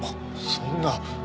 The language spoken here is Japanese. そんな。